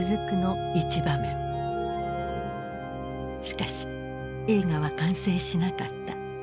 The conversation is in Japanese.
しかし映画は完成しなかった。